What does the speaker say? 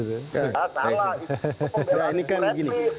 nah ini kan begini